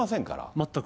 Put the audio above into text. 全く。